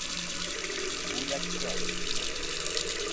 Бүләккә.